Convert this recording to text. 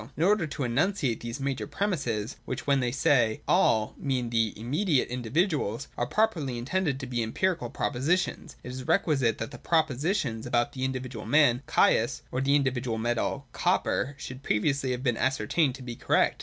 In order to enunciate these major premisses, which when they say ' all ' mean the ' immediate ' individuals and are properly intended to be empirical propositions, it is requisite that the propositions about the individual man Caius, or the individual metal copper, should previously have been ascertained to be correct.